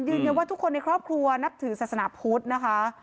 ว่าทุกคนในครอบครัวนับถือศาสนาพุทธนะคะ